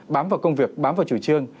bám vào công việc bám vào chủ trương